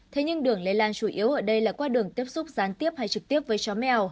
thế nhưng đường lây lan chủ yếu ở đây là qua đường tiếp xúc gián tiếp hay trực tiếp với chó mèo